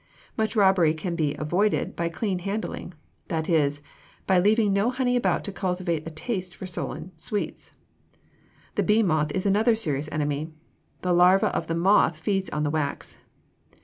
Much robbery can be avoided by clean handling; that is, by leaving no honey about to cultivate a taste for stolen sweets. The bee moth is another serious enemy. The larva of the moth feeds on the wax.